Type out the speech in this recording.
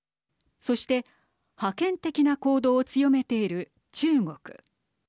そして覇権的な行動を強めている中国。